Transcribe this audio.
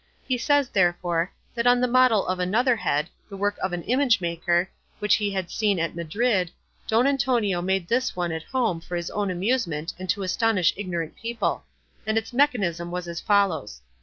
He says, therefore, that on the model of another head, the work of an image maker, which he had seen at Madrid, Don Antonio made this one at home for his own amusement and to astonish ignorant people; and its mechanism was as follows.